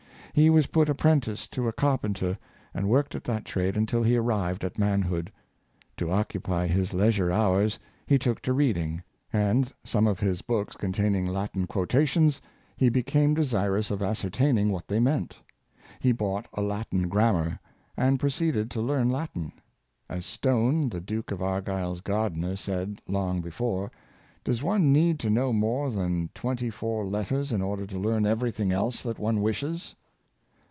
He was put apprentice to a car penter, and worked at that trade until he arrived at manhood. To occupy his leisure hours he took to read ing; and, some of his books containing Latin quota tions, he became desirous of ascertaining what they meant. He bought a Latin grammar, and proceeded to learn Latin. As Stone, the Duke of Argyle's gard ener, said, long before, " Does one need to know more than the twenty four letters in order to learn everything else that one wishes?